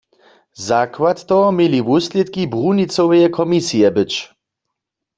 Zakład toho měli wuslědki brunicoweje komisije być.